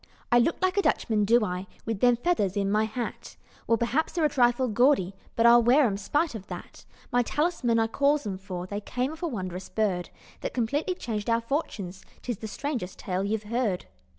"I look like a Dutchman, do I? With them feathers in my hat! Well p'r'aps they're a trifle gaudy, But I'll wear 'em 'spite of that. My 'talisman' I calls 'em, for They came off a wondrous bird, That completely changed our fortunes: 'Tis the strangest tale you've heard.